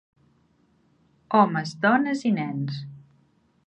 Homes, dones i nens.